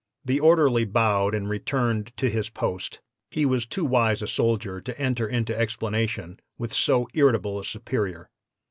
"The orderly bowed and returned to his post. He was too wise a soldier to enter into explanation with so irritable a superior.